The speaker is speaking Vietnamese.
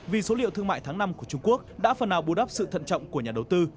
vì số liệu thương mại tháng năm của trung quốc đã phần nào bù đắp sự thận trọng của nhà đầu tư